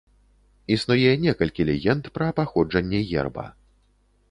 Існуе некалькі легенд пра паходжанне герба.